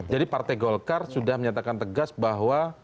jadi partai golkar sudah menyatakan tegas bahwa